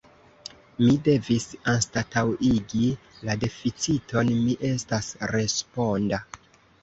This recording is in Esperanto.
Mi devis anstataŭigi la deficiton: mi estas responda.